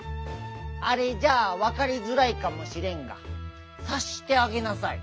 「あれ」じゃあわかりづらいかもしれんがさっしてあげなさい。